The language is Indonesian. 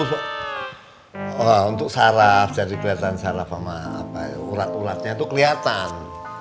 untuk saraf jadi kelihatan saraf sama urat ulatnya itu kelihatan